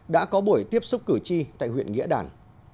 đã có buổi tiếp xúc cử tri tại huyện nghĩa đàn